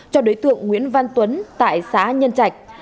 cho đối tượng nguyễn văn tuấn tại xã nhân trạch